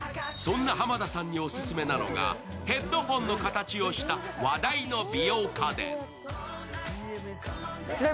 そんな濱田さんにオススメなのが、ヘッドフォンの形をした話題の